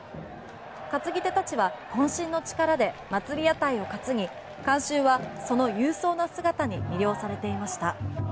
担ぎ手たちは渾身の力で祭り屋台を担ぎ観衆はその勇壮な姿に魅了されていました。